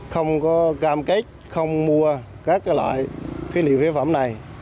không có cam kết không mua các loại phế liệu phế phẩm này